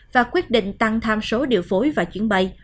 và quyết định tăng tham số điều phối và chuyến bay